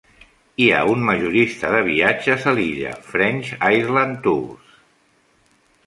Hi ha un majorista de viatges a l'illa, French Island Tours.